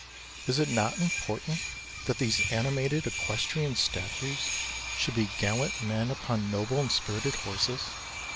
Is it not important that these animated equestrian statues should be gallant men upon noble and spirited horses?